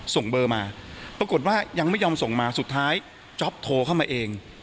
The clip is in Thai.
ส่งเบอร์มาปรากฏว่ายังไม่ยอมส่งมาสุดท้ายจ๊อปโทรเข้ามาเอง